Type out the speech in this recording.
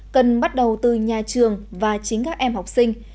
cần bắt đầu từ nhà trường và chính các em học sinh